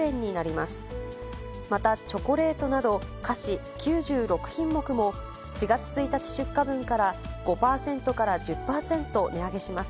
また、チョコレートなど菓子９６品目も、４月１日出荷分から５％から１０％値上げします。